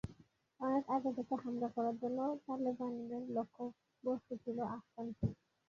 অনেক আগে থেকে হামলা করার জন্য তালেবানের লক্ষ্যবস্তু ছিল আফগান পুলিশ।